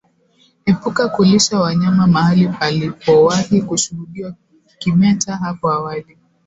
Epuka kulisha wanyama mahali palipowahi kushuhudiwa kimeta hapo awali